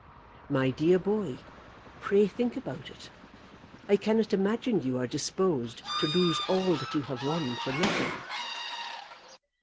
My dear boy, pray think about it. I cannot imagine you are disposed to lose all that you have won for nothing."